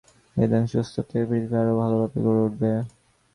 এই ধ্বংসস্তূপ থেকে পৃথিবী আরও ভালভাবে গড়ে উঠবে।